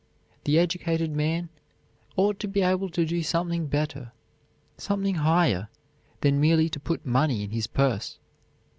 The educated man ought to be able to do something better, something higher than merely to put money in his purse.